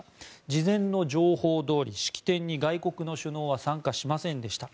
事前の情報どおり式典に外国の首脳は参加しませんでした。